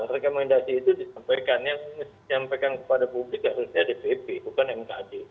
rekomendasi itu disampaikan yang disampaikan kepada publik harusnya dpp bukan mkd